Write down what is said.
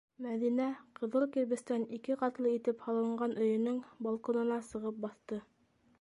Мәҙинә ҡыҙыл кирбестән ике ҡатлы итеп һалынған өйөнөң балконына сығып баҫты.